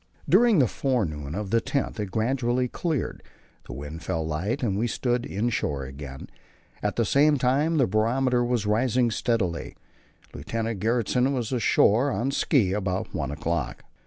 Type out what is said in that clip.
During the forenoon of the l0th it gradually cleared, the wind fell light and we stood inshore again. As at the same time the barometer was rising steadily, Lieutenant Gjertsen went ashore on ski about one o'clock.